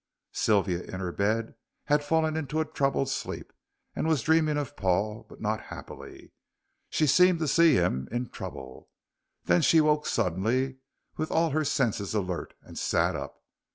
Sylvia, in her bed, had fallen into a troubled sleep, and was dreaming of Paul, but not happily. She seemed to see him in trouble. Then she woke suddenly, with all her senses alert, and sat up.